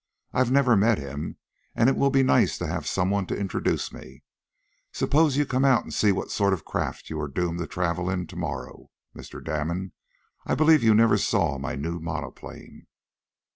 I've never met him, and it will be nice to have some one to introduce me. Suppose you come out and see what sort of a craft you are doomed to travel in to morrow, Mr. Damon. I believe you never saw my new monoplane."